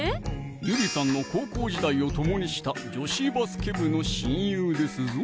ゆりさんの高校時代を共にした女子バスケ部の親友ですぞ！